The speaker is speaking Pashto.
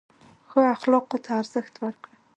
ښو اخلاقو ته ارزښت ورکړه.